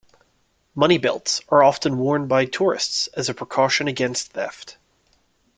Money belts are often worn by tourists as a precaution against theft.